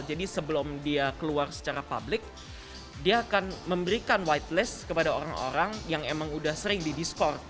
jadi sebelum dia keluar secara publik dia akan memberikan white list kepada orang orang yang emang udah sering di discord